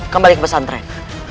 kembali ke pesantren